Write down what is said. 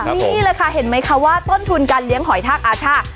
นี่แหละค่ะเห็นไหมคะว่าต้นทุนการเลี้ยงหอยทากอาช่า